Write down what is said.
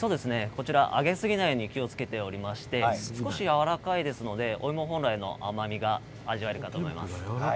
揚げすぎないように気をつけていまして少しやわらかいですのでお芋本来の甘みが味わえるかと思います。